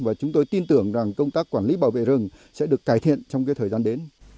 và chúng tôi tin tưởng rằng công tác quản lý bảo vệ rừng sẽ được cải thiện trong thời gian đến